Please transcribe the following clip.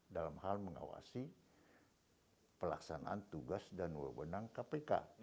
dalam hal mengawasi pelaksanaan tugas dan wawenang kpk